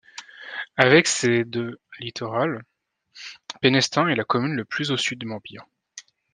Avec ses de littoral, Pénestin est la commune le plus au sud du Morbihan.